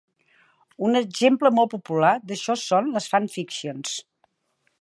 Un exemple molt popular d'això són les "fan fictions".